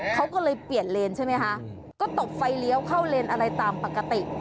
เขาก็เลยเปลี่ยนเลนใช่ไหมคะก็ตบไฟเลี้ยวเข้าเลนอะไรตามปกติ